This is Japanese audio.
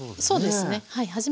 そうですねはい。